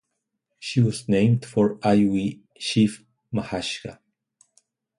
She was named for Ioway Chief Mahaska.